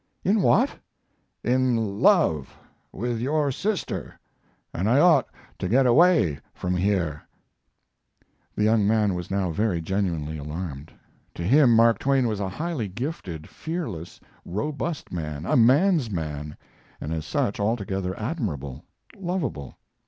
"In what!" "In love with your sister, and I ought to get away from here." The young man was now very genuinely alarmed. To him Mark Twain was a highly gifted, fearless, robust man a man's man and as such altogether admirable lovable.